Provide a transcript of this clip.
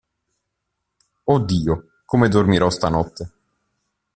Oh Dio, come dormirò stanotte!